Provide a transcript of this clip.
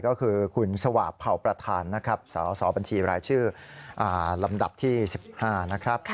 ก็คือคุณสวาปเผ่าประธานนะครับสสบัญชีรายชื่อลำดับที่๑๕นะครับ